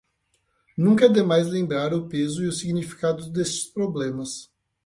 Nunca é demais lembrar o peso e o significado destes problemas